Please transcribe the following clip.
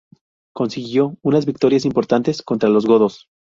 Consiguió unas victorias importantes contra los godos.